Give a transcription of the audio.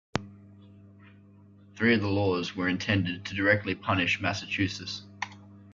Three of the laws were intended to directly punish Massachusetts.